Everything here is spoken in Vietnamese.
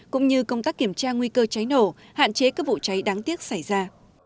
cũng như công tác kiểm tra nguy cơ cháy nổ hạn chế các vụ cháy đáng tiếc xảy ra